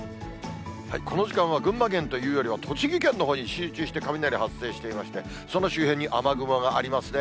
この時間は群馬県というよりは、栃木県のほうに集中して雷発生していまして、その周辺に雨雲がありますね。